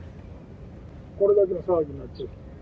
これだけの騒ぎになって。